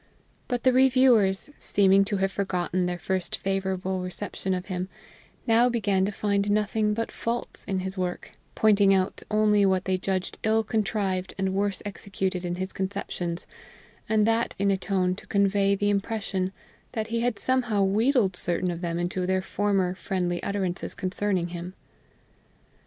But the reviewers, seeming to have forgotten their first favorable reception of him, now began to find nothing but faults in his work, pointing out only what they judged ill contrived and worse executed in his conceptions, and that in a tone to convey the impression that he had somehow wheedled certain of them into their former friendly utterances concerning him.